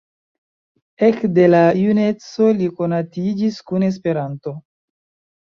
Ekde la juneco li konatiĝis kun Esperanto.